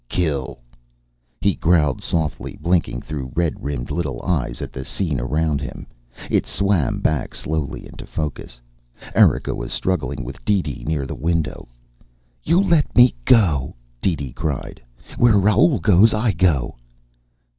"Kill." He growled softly, blinking through red rimmed little eyes at the scene around him. It swam back slowly into focus. Erika was struggling with DeeDee near the window. "You let me go," DeeDee cried. "Where Raoul goes, I go."